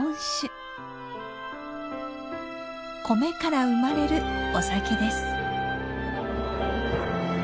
米から生まれるお酒です。